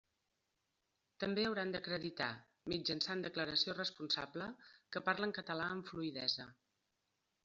També hauran d'acreditar, mitjançant declaració responsable, que parlen català amb fluïdesa.